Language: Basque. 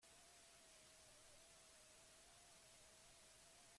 Ez dut horrelako urterik ezagutu.